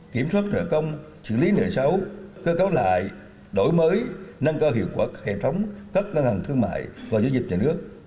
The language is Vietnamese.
kiểm soát trợ công xử lý nợ xấu cơ cáo lại đổi mới nâng cao hiệu quả hệ thống các ngân hàng thương mại và giới dịch nhà nước